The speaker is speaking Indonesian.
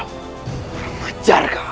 mereka mengejar kau